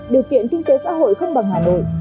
điều kiện kinh tế xã hội không bằng hà nội